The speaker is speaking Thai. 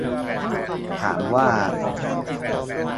ถามว่า